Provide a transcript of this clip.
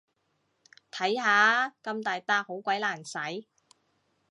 睇下，咁大撻好鬼難洗